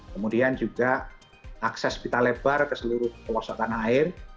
kemudian juga akses pita lebar ke seluruh pelosokan air